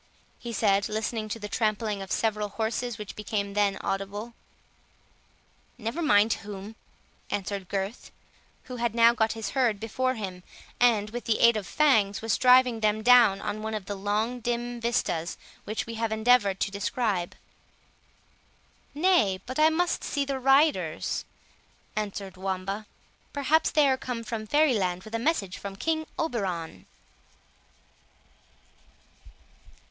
he said, listening to the trampling of several horses which became then audible. "Never mind whom," answered Gurth, who had now got his herd before him, and, with the aid of Fangs, was driving them down one of the long dim vistas which we have endeavoured to describe. "Nay, but I must see the riders," answered Wamba; "perhaps they are come from Fairy land with a message from King Oberon."